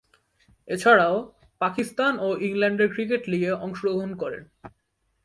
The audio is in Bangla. এছাড়াও, পাকিস্তান ও ইংল্যান্ডের ক্রিকেট লীগে অংশগ্রহণ করেন।